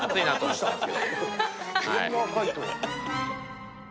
そんな赤いとは。